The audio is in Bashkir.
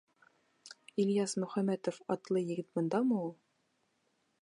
Ильяс Мөхәмәтов атлы егет бындамы ул?